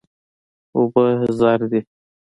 اوبه زر دي.